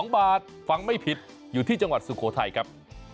๒บาทฟังไม่ผิดอยู่ที่จังหวัดสุโขทัยครับ